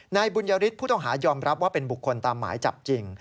นายบุญยฤทธิ์ผู้ต้องหายอมรับว่าเป็นบุคคลตามหมายจับจริง